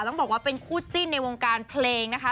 ต้องบอกว่าเป็นคู่จิ้นในวงการเพลงนะคะ